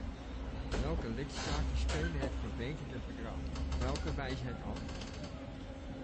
Welke lidstaten steunen het verbeterde verdrag, welke wijzen het af?